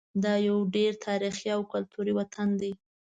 دا یو ډېر تاریخي او کلتوري وطن دی.